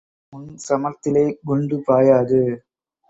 உன் சமர்த்திலே குண்டு பாயாது.